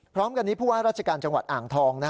พร้อมกันนี้ผู้ว่าราชการจังหวัดอ่างทอง